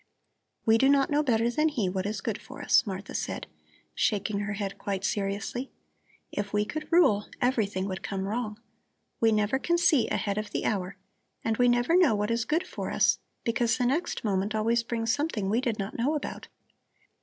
We do not know better than He what is good for us," Martha said, shaking her head quite seriously. "If we could rule, everything would come wrong. We never can see ahead of the hour and we never know what is good for us because the next moment always brings something we did not know about.